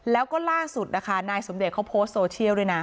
แล้วก็ล่าสุดนะคะนายสมเดชเขาโพสต์โซเชียลด้วยนะ